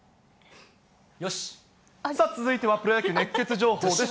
よし、さあ、続いてはプロ野球熱ケツ情報です。